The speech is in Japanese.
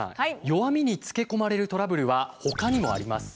弱みにつけこまれるトラブルはほかにもあります。